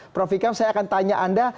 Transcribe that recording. profikam saya akan tanya anda